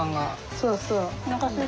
そうそう。